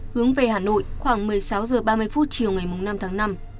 hướng về hà nội khoảng một mươi sáu h ba mươi phút chiều ngày năm tháng năm